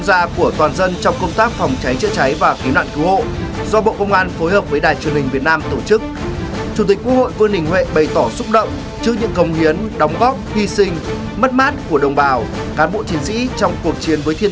các bộ chiến sĩ trong cuộc chiến với thiên tài khỏa hoạn sự cố tai nạn